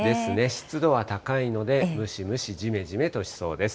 湿度は高いので、ムシムシ、じめじめとしそうです。